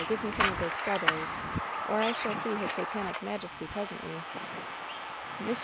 give me some of those strawberries, or I shall see his Satanic majesty presently." Mr.